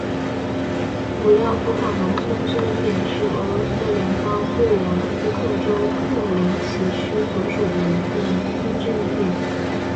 古廖夫卡农村居民点是俄罗斯联邦布良斯克州克林齐区所属的一个农村居民点。